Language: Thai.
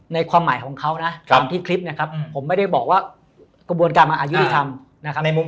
ความหมายของเขานะตามที่คลิปนะครับผมไม่ได้บอกว่ากระบวนการมันอายุที่ทำนะครับ